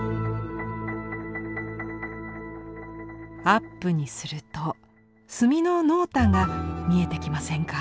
アップにすると墨の濃淡が見えてきませんか？